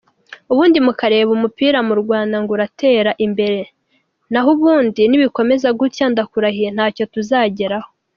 ubundi mukareba umupira mu Rwanda ngo uratera imbere, nahubundi nibikomeza gutya, ndakurahiye ntacyo tuzageraho.